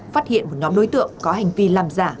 phát hiện một nhóm đối tượng có hành vi làm giả